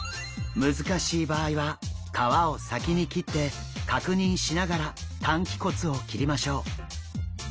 難しい場合は皮を先に切って確認しながら担鰭骨を切りましょう。